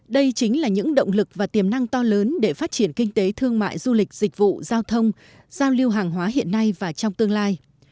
đây chính là những động lực và tiềm năng to lớn để phát triển kinh tế thương mại du lịch dịch vụ giao thông giao lưu hàng hóa hiện nay và trong tương lai